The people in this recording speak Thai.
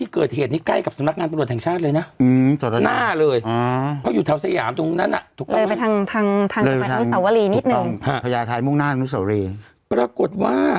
เขาบอกว่าแจ้งอาการว่า